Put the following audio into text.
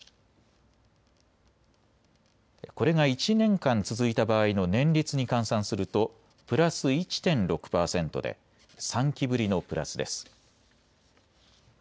これが１年間続いた場合の年率に換算するとプラス１．６％で３期ぶりのプラスです。